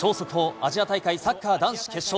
アジア大会、サッカー男子決勝。